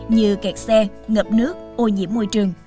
như kẹt xe ngập nước ô nhiễm môi trường